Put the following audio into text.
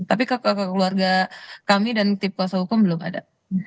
tapi keluarga kami dan tim kuasa hukum belum ada